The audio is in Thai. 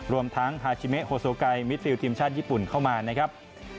รวมทั้งฮาชิเมโฮโซไกมิดฟิลทีมชาติญี่ปุ่นเข้ามานะครับ